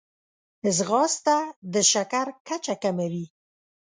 ځغاسته د شکر کچه کموي